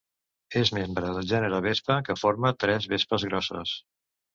És membre del gènere Vespa, que forma tres vespes grosses.